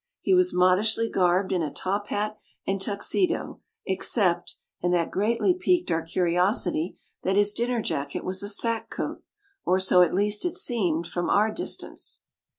He was modishly garbed in a top hat and tuxedo, except — and that greatly 90 THiE GOSSIP Shop di piqued our curiosity — ^that his dinner jacket was a sack coat, or so at least it seemed from our distance.